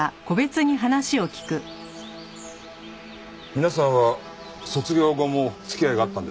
皆さんは卒業後も付き合いがあったんですか？